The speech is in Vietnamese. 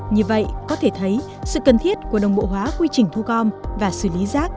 như vậy có thể thấy sự cần thiết của đồng bộ hóa quy trình thu gom và xử lý rác